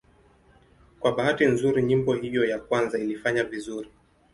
Kwa bahati nzuri nyimbo hiyo ya kwanza ilifanya vizuri.